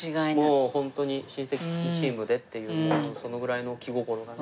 もうホントに親戚チームでっていうもうそのぐらいの気心がね。